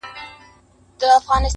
په ځنځیر د دروازې به هسي ځان مشغولوینه-